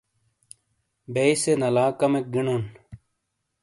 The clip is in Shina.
بیئ سے نلا کمیک گینون۔